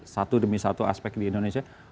satu demi satu aspek di indonesia